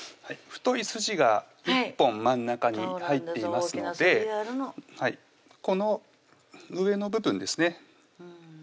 太い筋が１本真ん中に入っていますのでこの上の部分ですね